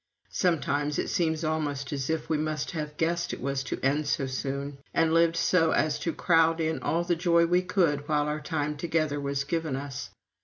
Sometimes it seems almost as if we must have guessed it was to end so soon, and lived so as to crowd in all the joy we could while our time together was given us.